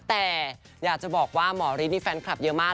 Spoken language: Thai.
แต่อยากจะบอกว่าหมอฤทธินี่แฟนคลับเยอะมาก